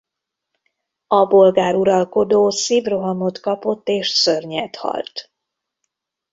A bolgár uralkodó szívrohamot kapott és szörnyethalt.